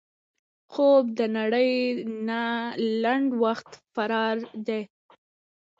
خوب د نړۍ نه لنډ وخت فرار دی